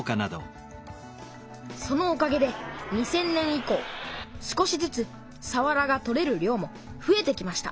そのおかげで２０００年以こう少しずつさわらが取れる量もふえてきました